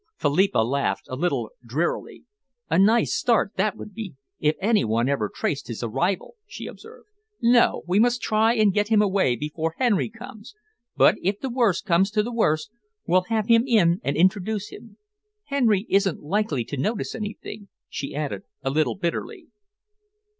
Philippa laughed a little drearily. "A nice start that would be, if any one ever traced his arrival!" she observed. "No, we must try and get him away before Henry comes, but, if the worst comes to the worst, we'll have him in and introduce him. Henry isn't likely to notice anything," she added, a little bitterly.